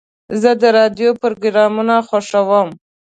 زه د راډیو پروګرامونه خوښوم.